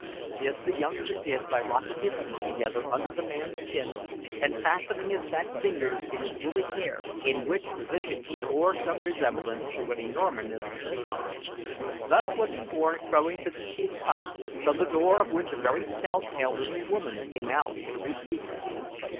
This the youngster did by locking his feet together under the man's chin, and fastening his fat fingers in his woolly hair, in which position he bore some resemblance to an enormous chignon. Thus was he borne crowing to the chief's hut, from the door of which a very stout elderly woman came out to receive them.